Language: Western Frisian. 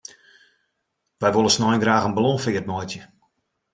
Wy wolle snein graach in ballonfeart meitsje.